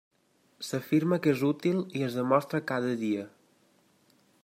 S'afirma que és útil, i es demostra cada dia.